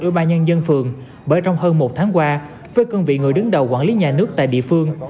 ủy ban nhân dân phường bởi trong hơn một tháng qua với cương vị người đứng đầu quản lý nhà nước tại địa phương